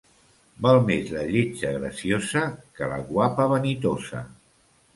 Val més la lletja graciosa que la guapa vanitosa.